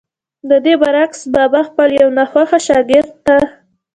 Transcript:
ددې برعکس بابا خپل يو ناخوښه شاګرد ته